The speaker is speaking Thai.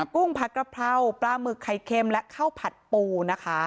กุ้งผัดกระเพราปลาหมึกไข่เค็มและข้าวผัดปูนะคะ